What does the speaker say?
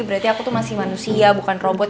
berarti aku tuh masih manusia bukan robot